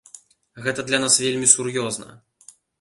Гэта для нас вельмі сур'ёзна.